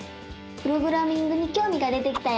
プログラミングにきょうみが出てきたよ！